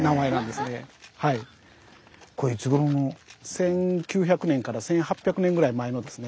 １９００年から１８００年ぐらい前のですね